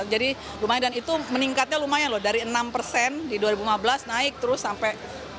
jadi lumayan dan itu meningkatnya lumayan loh dari enam persen di dua ribu lima belas naik terus sampai empat puluh tiga